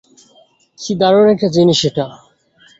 কি দারুন একটা জিনিস এটা?